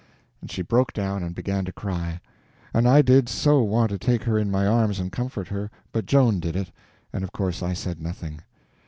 and she broke down and began to cry, and I did so want to take her in my arms and comfort her, but Joan did it, and of course I said nothing.